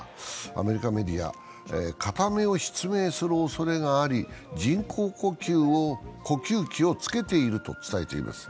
アメリカメディア、片目を失明するおそれがあり、人工呼吸器をつけていると伝えています。